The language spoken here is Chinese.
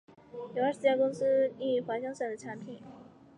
有二十家公司提供由猎熊到滑翔伞的产品。